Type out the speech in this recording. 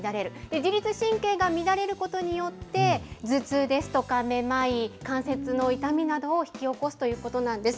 自律神経が乱れることによって、頭痛ですとかめまい、関節の痛みなどを引き起こすということなんです。